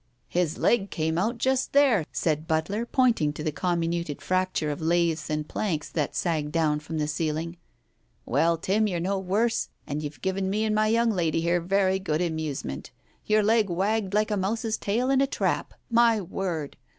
"His leg came out just there," said Butler, pointing to the comminuted fracture of laths and planks that sagged down from the ceiling. "Well, Tim, you're no worse and you've given me and my young lady here very good amusement. Your leg wagged like a mouse's tail in the trap. My word